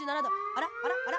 あらあらあら？